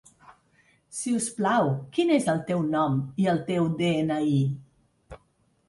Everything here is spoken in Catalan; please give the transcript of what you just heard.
Si us plau, quin és el teu nom i el teu de-ena-i?